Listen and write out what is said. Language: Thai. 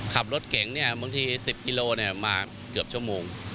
ขับรถเก่งบางที๑๐กิโลมาเกือบชั่วโมง